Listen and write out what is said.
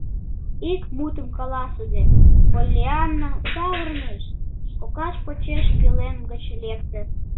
Ик мутым каласыде, Поллианна савырныш, кокаж почеш пӧлем гыч лекте.